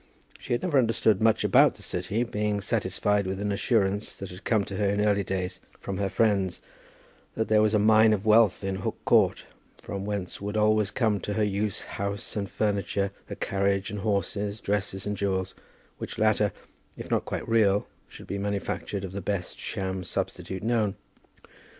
She had never understood much about the City, being satisfied with an assurance that had come to her in early days from her friends, that there was a mine of wealth in Hook Court, from whence would always come for her use, house and furniture, a carriage and horses, dresses and jewels, which latter, if not quite real, should be manufactured of the best sham substitute known.